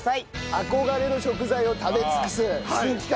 憧れの食材を食べ尽くす新企画。